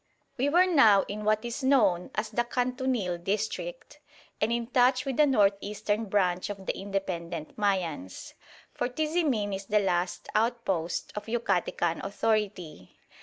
We were now in what is known as the Kantunil district, and in touch with the north eastern branch of the independent Mayans. For Tizimin is the last outpost of Yucatecan authority.